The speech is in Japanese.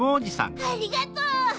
ありがとう！